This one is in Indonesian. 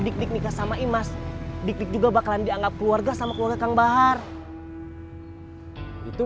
dik dik nikah sama imas dik dik juga bakalan dianggap keluarga sama keluarga kang bahar itu